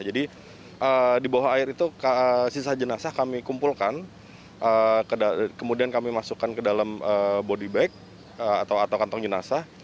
jadi di bawah air itu sisa jenazah kami kumpulkan kemudian kami masukkan ke dalam body bag atau kantong jenazah